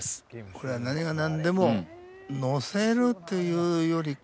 これは何がなんでも乗せるというよりか。